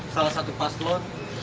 salah satu paslon